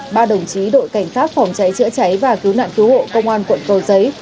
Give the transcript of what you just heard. ba đồng chí đội cảnh sát phòng cháy chữa cháy và cứu nạn cứu hộ công an quận cầu giấy